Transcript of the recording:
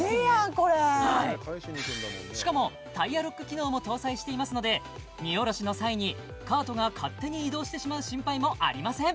これしかもタイヤロック機能も搭載していますので荷下ろしの際にカートが勝手に移動してしまう心配もありません